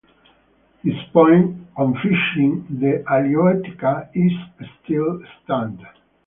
His poem on fishing, the "Halieutica", is still extant.